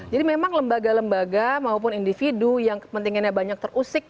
jadi memang lembaga lembaga maupun individu yang kepentingannya banyak terusik